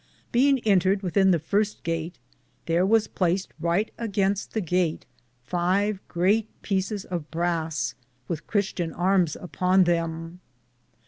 Beinge entered within the firste gate, thare was placed righte againste the gate five greate peecis of brass, with Christians armes upon them.